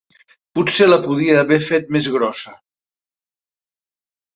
Potser la podia haver fet més grossa.